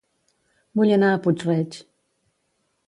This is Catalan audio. Vull anar a Puig-reig